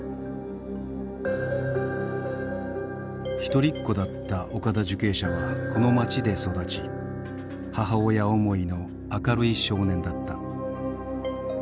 一人っ子だった岡田受刑者はこの町で育ち母親思いの明るい少年だった。